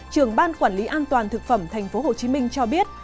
trường ban quản lý an toàn thực phẩm tp hồ chí minh cho biết